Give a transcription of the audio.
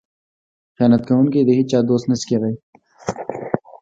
خیانت کوونکی د هیچا دوست نشي کیدی.